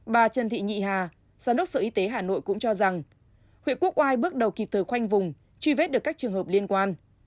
bà trần thị nhị hà giám đốc sở y tế hà nội cũng cho rằng huyện quốc oai bước đầu kịp thời khoanh vùng truy vết được các trường hợp liên quan